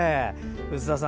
臼田さん